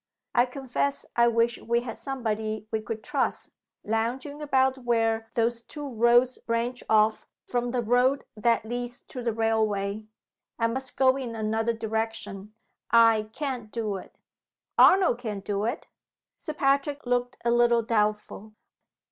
I confess I wish we had somebody we could trust lounging about where those two roads branch off from the road that leads to the railway. I must go in another direction; I can't do it." "Arnold can do it!" Sir Patrick looked a little doubtful.